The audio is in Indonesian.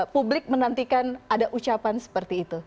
publik menantikan ada ucapan seperti itu